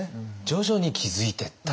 徐々に気付いていった？